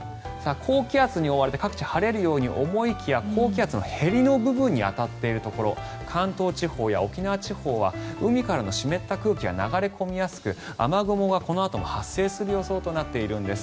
高気圧に覆われて各地晴れるように思いきや高気圧の縁の部分に当たっているところ関東地方や沖縄地方は海からの湿った空気が流れ込みやすく雨雲がこのあとも発生する予想となっているんです。